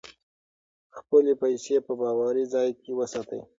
خپلې پیسې په باوري ځای کې وساتئ.